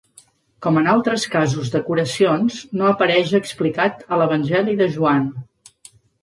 Com en altres casos de curacions, no apareix explicat a l'evangeli de Joan.